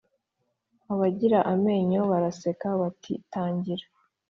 Abagira amenyo baraseka bati tangira